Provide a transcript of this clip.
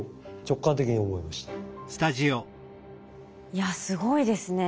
いやすごいですね。